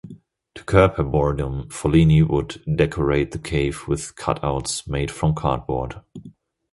To curb her boredom, Follini would decorate the cave with cutouts made from cardboard.